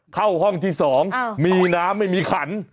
เข้าห้องที่๒มีน้ำไม่มีขัน